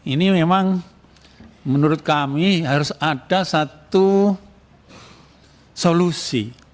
ini memang menurut kami harus ada satu solusi